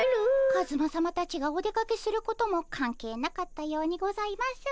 カズマさまたちがお出かけすることも関係なかったようにございます。